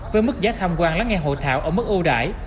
với mức giá tham quan lắng nghe hội thảo ở mức ưu đại